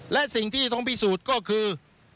และสิ่งที่ต้องพิสูจน์ก็คือ